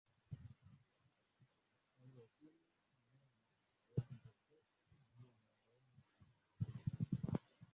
mstari wa kumi na nane Wewe ndiwe Petro na juu ya mwamba huu nitalijenga